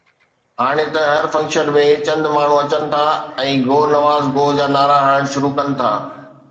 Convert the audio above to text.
هاڻي ته هر فنڪشن ۾ چند ماڻهو اچن ٿا ۽ ”گو نواز گو“ جا نعرا هڻڻ شروع ڪن ٿا.